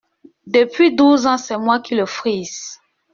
Depuis douze ans, c’est moi qui le frise…